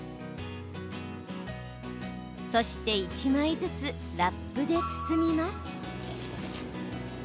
そして１枚ずつラップで包みます。